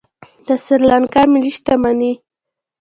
د سریلانکا ملي شتمني